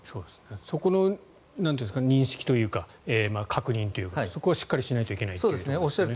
そこの認識というか確認というかそこはしっかりしないといけないと。